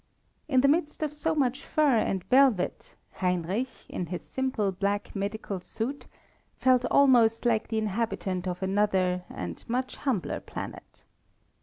In the midst of so much fur and velvet, Heinrich, in his simple black medical suit, felt almost like the inhabitant of another and much humbler planet.